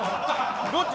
どっち？